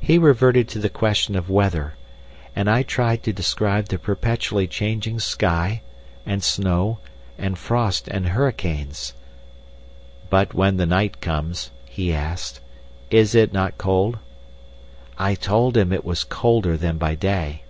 "He reverted to the question of weather, and I tried to describe the perpetually changing sky, and snow, and frost and hurricanes. 'But when the night comes,' he asked, 'is it not cold?' "I told him it was colder than by day.